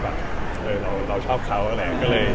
แบบเราชอบเขาทุกหลัง